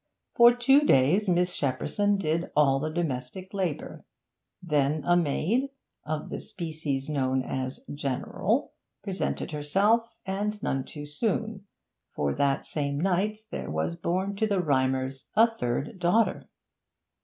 For two days Miss Shepperson did all the domestic labour; then a maid, of the species known as 'general,' presented herself, and none too soon, for that same night there was born to the Rymers a third daughter.